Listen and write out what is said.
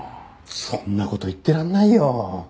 そんな事言ってられないよ。